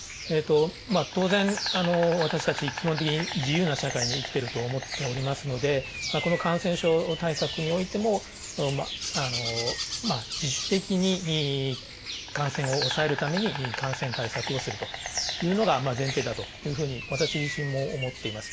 当然、私たち、基本的に自由な社会に生きてると思っておりますのでこの感染症対策においても自主的に、感染を抑えるために感染対策をするというのが前提だというふうに私自身も思っています。